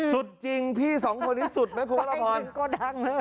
สุดจริงพี่สองคนนี้สุด